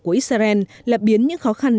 của israel là biến những khó khăn